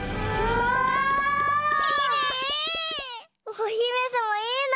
おひめさまいいな。